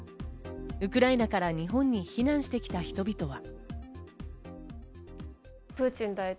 ウクライナから日本に避難してきた人々は。